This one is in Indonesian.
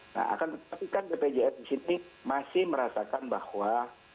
nah akan diperhatikan bpjs di sini masih merasakan bahwa